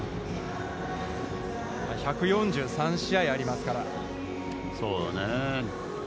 １４３試合ありますから。